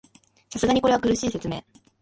さすがにこれは苦しい説明